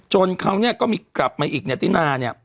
เขาก็มีกลับมาอีกเนี่ยตินาเนี่ย